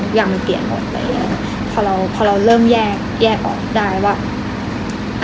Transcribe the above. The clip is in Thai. ทุกอย่างมันเปลี่ยนออกไปพอเราเริ่มแยกออกได้ว่า